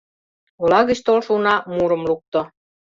Ола гыч толшо уна мурым лукто.